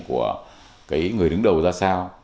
của cái người đứng đầu ra sao